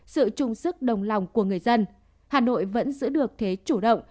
sự trung sức đồng lòng của người dân hà nội vẫn giữ được thế chủ động